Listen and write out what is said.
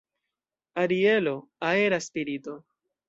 Arielo, aera spirito.